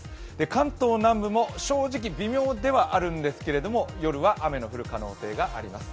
関東南部も正直微妙ではあるんですけど夜は雨の降る可能性があります。